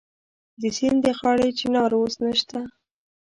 د سیند د غاړې چنار اوس نشته